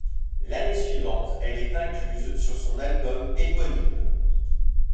L'année suivante elle est incluse sur son album éponyme.